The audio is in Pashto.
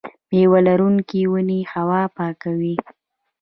میوه لرونکې ونې هوا پاکوي.